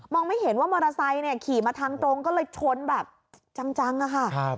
ไม่เห็นว่ามอเตอร์ไซค์เนี่ยขี่มาทางตรงก็เลยชนแบบจังอะค่ะ